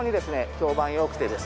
評判良くてですね。